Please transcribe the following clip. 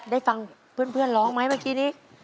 ได้ฟังเพื่อนร้องไหมเมื่อกี้นี้